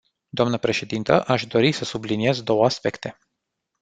Doamnă președintă, aș dori să subliniez două aspecte.